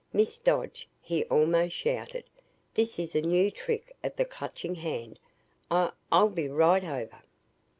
"Miss Dodge," he almost shouted, "this is a new trick of the Clutching Hand. I I'll be right over."